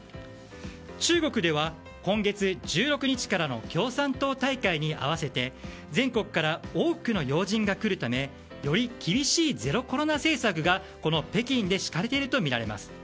中国では今月１６日からの共産党大会に合わせて全国から多くの要人が来るためより厳しいゼロコロナ政策がこの北京で敷かれているとみられます。